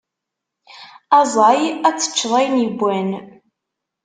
Aẓay, ad tteččeḍ ayen yewwan!